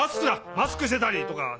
マスクしてたりとか。